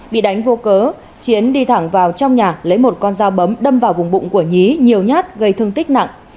bị đánh vô cớ chiến đi thẳng vào trong nhà lấy một con dao bấm đâm vào vùng bụng của nhí nhiều nhát gây thương tích nặng